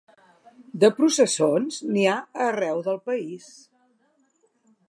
De processons, n’hi ha arreu del país.